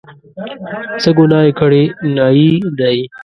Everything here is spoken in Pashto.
څه ګناه یې کړې، نایي دی.